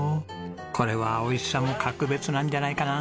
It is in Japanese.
これは美味しさも格別なんじゃないかな。